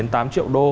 bảy tám triệu đô